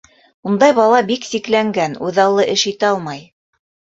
Ундай бала бик сикләнгән, үҙаллы эш итә алмай.